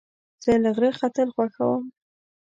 زه له غره ختل خوښوم.